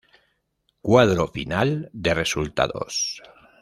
Cuadro final de resultados.